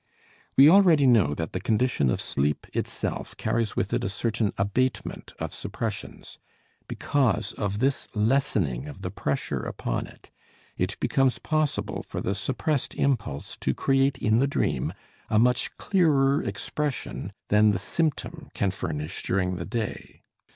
We already know that the condition of sleep itself carries with it a certain abatement of suppressions. Because of this lessening of the pressure upon it, it becomes possible for the suppressed impulse to create in the dream a much clearer expression than the symptom can furnish during the day.